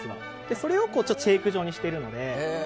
それをシェイク状にしているので。